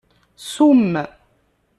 Summ.